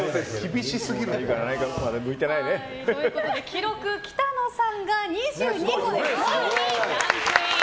記録、北乃さんが２２個で５位にランクイン。